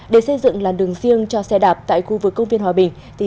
để xây dựng làn đường riêng cho xe đạp tại khu vực công viên hòa bình